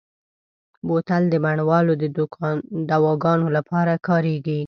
بوتل د بڼوالو د دواګانو لپاره کارېږي.